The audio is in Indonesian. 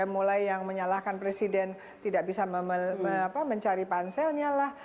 mulai yang menyalahkan presiden tidak bisa mencari panselnya lah